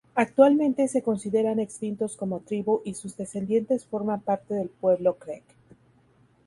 Actualmente se consideran extintos como tribu y sus descendientes forman parte del pueblo creek.